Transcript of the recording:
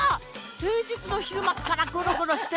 平日の昼間からゴロゴロして